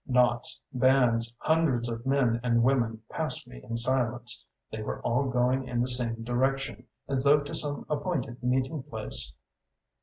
Knots, bands, hundreds of men and women passed me in silence; they were all going in the same direction, as though to some appointed meeting place."